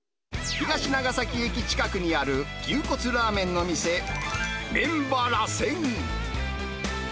東長崎駅近くにある牛骨ラーメンの店、麺場らせん。